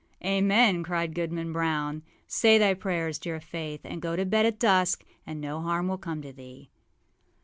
â âAmen!â cried Goodman Brown. âSay thy prayers, dear Faith, and go to bed at dusk, and no harm will come to thee.